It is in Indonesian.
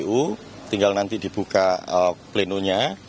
kpu tinggal nanti dibuka plenonya